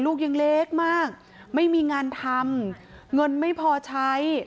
ลูกยังเล็กมากไม่มีงานทำเงินไม่พอใช้